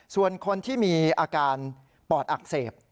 ส่วนคนที่มีอาการปอดอักเสบ